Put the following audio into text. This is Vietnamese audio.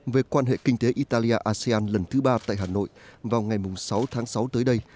về quan hệ kinh tế italia asean lần thứ ba tại hà nội vào ngày sáu tháng sáu tới đây